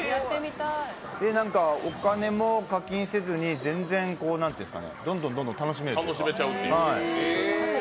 お金も課金せずに、どんどん楽しめちゃう。